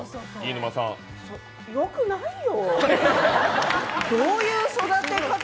よくないよ。